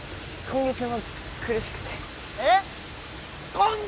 今月も苦しくて！